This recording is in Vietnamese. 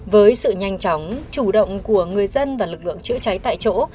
với sự nhanh chóng chủ động của người dân và lực lượng chữa cháy tại chỗ